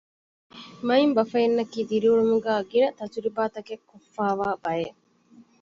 މައިންބަފައިންނަކީ ދިރިއުޅުމުގައި ގިނަ ތަޖުރިބާތަކެއް ކޮށްފައިވާ ބައެއް